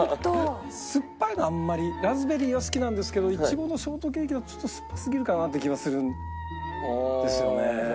酸っぱいのあんまりラズベリーは好きなんですけどイチゴのショートケーキだとちょっと酸っぱすぎるかなって気がするんですよね。